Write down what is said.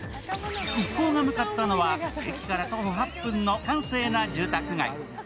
一行が向かったのは駅から徒歩８分の閑静な住宅街。